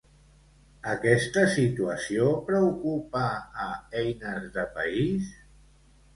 Aquesta situació preocupa a Eines de País?